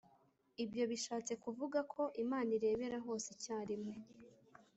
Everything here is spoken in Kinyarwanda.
Ibyo bishatse kuvuga ko imana irebera hose icyarimwe